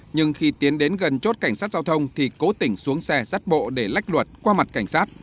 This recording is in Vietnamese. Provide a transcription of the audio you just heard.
nhưng khi tiến đến gần chốt cảnh sát giao thông thì cố tỉnh xuống xe rắt bộ để lách luật qua mặt cảnh sát